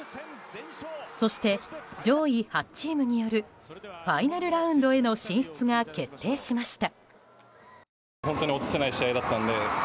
そして、上位８チームによるファイナルラウンドへの進出が決定しました。